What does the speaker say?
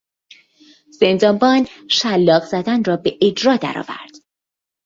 زندانبان شلاق زدن را به اجرا درآورد.